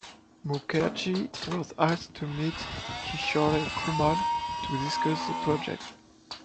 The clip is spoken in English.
Mukherjee was asked to meet Kishore Kumar to discuss the project.